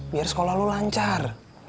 biar sekolah lo lancar